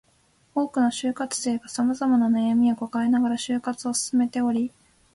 多くの就活生が様々な悩みを抱えながら就活を進めており